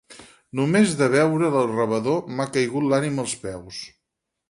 Només de veure-la al rebedor m'ha caigut l'ànima als peus.